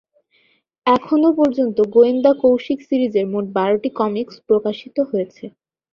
এখনও পর্যন্ত গোয়েন্দা কৌশিক সিরিজের মোট বারোটি কমিক্স প্রকাশিত হয়েছে।